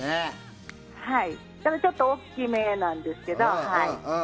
ちょっと大きめなんですけど。